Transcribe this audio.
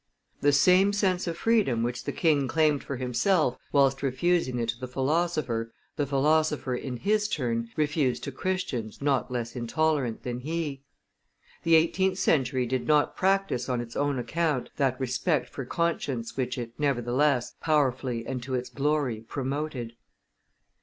The same sense of freedom which the king claimed for himself whilst refusing it to the philosopher, the philosopher, in his turn, refused to Christians not less intolerant than he. The eighteenth century did not practise on its own account that respect for conscience which it, nevertheless, powerfully and to its glory promoted.